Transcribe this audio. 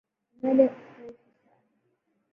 Nywele refu sana.